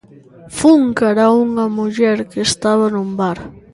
Fun cara a unha muller que estaba nun bar.